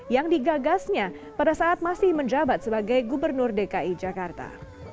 yang digagasnya pada saat masih menjabat sebagai gubernur dki jakarta